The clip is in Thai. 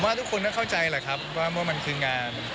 ทุกคนก็เข้าใจแหละครับว่ามันคืองาน